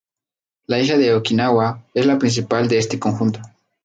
La isla de Okinawa es la principal de este conjunto.